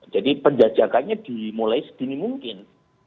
jadi penjajakannya dimulai sedini mungkin